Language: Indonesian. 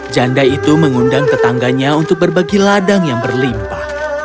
janda itu mengundang tetangganya untuk berbagi ladang yang berlimpah